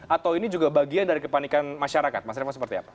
atau ini juga bagian dari kepanikan masyarakat mas revo seperti apa